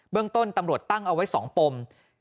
เรื่องต้นตำรวจตั้งเอาไว้๒ปม